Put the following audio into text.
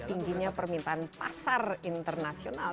karena tingginya permintaan pasar internasional